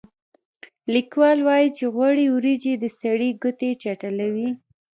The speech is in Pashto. لیکوال وايي چې غوړې وریجې د سړي ګوتې چټلوي.